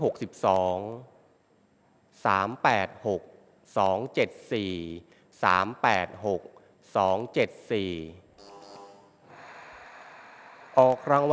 ออกรางวัลที่๕ครั้งที่๖๒